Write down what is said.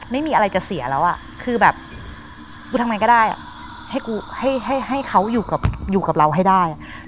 ไม่มีอะไรจะเสียแล้วอ่ะคือแบบกูทำไงก็ได้ให้กูให้เขาอยู่กับเราให้ได้